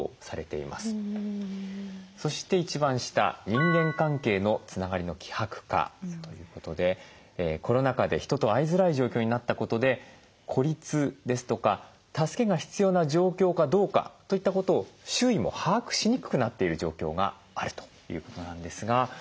そして一番下人間関係のつながりの希薄化ということでコロナ禍で人と会いづらい状況になったことで孤立ですとか助けが必要な状況かどうかといったことを周囲も把握しにくくなっている状況があるということなんですが。